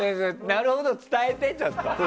なるほど伝えてちゃんと。